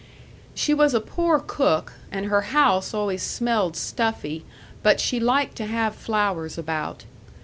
... She was a poor cook, and her house always smelled stuffy, but she liked to have flowers about.